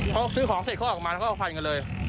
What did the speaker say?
เขาซื้อของเสร็จเขาออกมาแล้วก็ฟันกันเลย